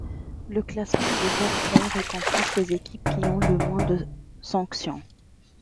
Le classement du fair-play récompense les équipes qui ont le moins de sanctions.